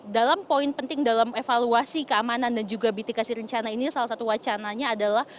dalam poin penting dalam evaluasi keamanan dan juga mitigasi rencana ini salah satu wacananya adalah